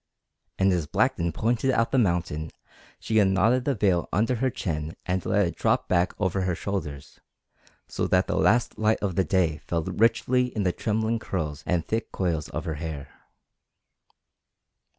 And as Blackton pointed out the mountain she unknotted the veil under her chin and let it drop back over her shoulders, so that the last light of the day fell richly in the trembling curls and thick coils of her hair.